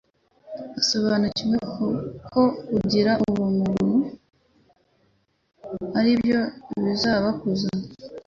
Basobanukiwe ko kugira ubuntu ari byo bizabakuza